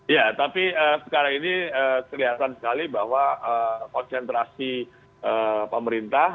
ya tapi sekarang ini kelihatan sekali bahwa konsentrasi pemerintah